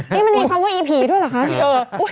นี่มันมีคำว่าอีผีด้วยเหรอคะ